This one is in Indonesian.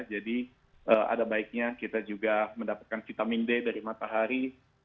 jadi ada baiknya kita juga mendapatkan vitamin d dari matahari